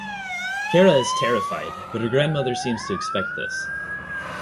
Cara is terrified, but her grandmother seems to expect this.